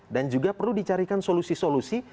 dan juga perlu dicarikan solusi solusi